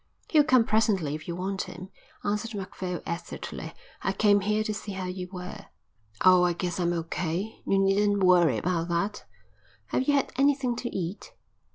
"He'll come presently if you want him," answered Macphail acidly. "I came here to see how you were." "Oh, I guess I'm O. K. You needn't worry about that." "Have you had anything to eat?"